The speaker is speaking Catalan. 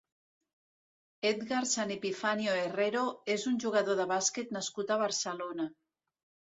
Edgar San Epifanio Herrero és un jugador de bàsquet nascut a Barcelona.